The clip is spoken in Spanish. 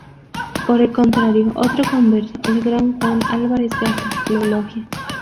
Por el contrario, otro converso, el gran Juan Álvarez Gato, lo elogia.